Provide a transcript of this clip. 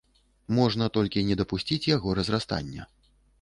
Можна толькі не дапусціць яго разрастання.